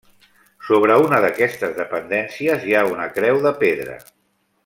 Sobre una d'aquestes dependències hi ha una creu de pedra.